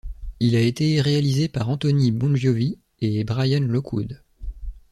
Il a été réalisé par Anthony Bongiovi et Brian Lockwood.